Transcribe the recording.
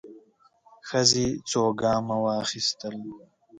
ښځې څو ګامه واخيستل.